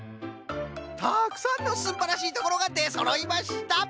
たくさんのすんばらしいところがでそろいました！